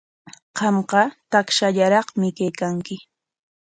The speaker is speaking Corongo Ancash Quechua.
Qamqa takshallaraqmi kaykanki.